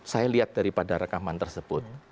saya lihat daripada rekaman tersebut